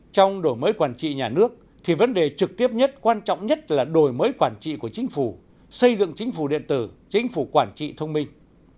trong đổi mới quản trị nhà nước thì vấn đề trực tiếp nhất quan trọng nhất là đổi mới quản trị của chính phủ xây dựng chính phủ điện tử chính phủ quản trị thông minh